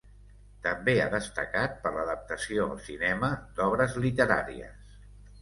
També ha destacat per l'adaptació al cinema d'obres literàries.